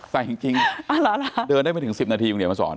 ใส่จริงเดินได้ไปถึง๑๐นาทีมึงเดี๋ยวมาสอน